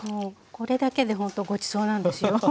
これだけでほんとごちそうなんですよ。